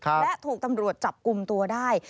และถูกตำรวจจับกลุ่มตัวได้